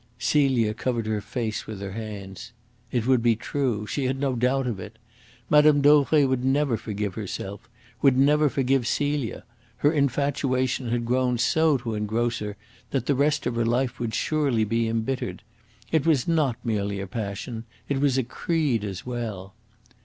Celia covered her face with her hands. It would be true. She had no doubt of it. Mme. Dauvray would never forgive herself would never forgive Celia. Her infatuation had grown so to engross her that the rest of her life would surely be embittered. It was not merely a passion it was a creed as well.